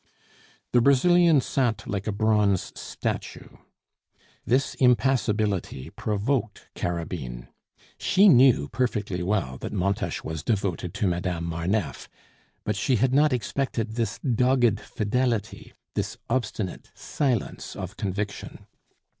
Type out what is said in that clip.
The Brazilian sat like a bronze statue. This impassibility provoked Carabine. She knew perfectly well that Montes was devoted to Madame Marneffe, but she had not expected this dogged fidelity, this obstinate silence of conviction.